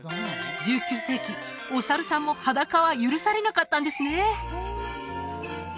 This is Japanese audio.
１９世紀お猿さんも裸は許されなかったんですね